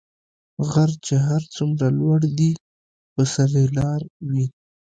غر چی هر څومره لوړ دي په سر یي لار وي .